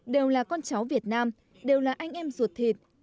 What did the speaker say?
đều là con cháu việt nam đều là anh em ruột thịt